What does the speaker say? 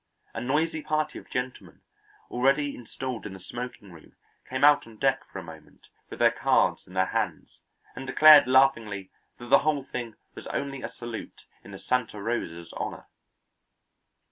A noisy party of gentlemen already installed in the smoking room came out on deck for a moment with their cards in their hands, and declared laughingly that the whole thing was only a salute in the Santa Rosa's honour.